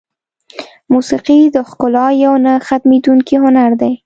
موسیقي د ښکلا یو نه ختمېدونکی هنر دی.